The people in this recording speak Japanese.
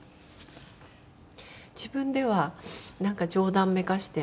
自分ではなんか冗談めかして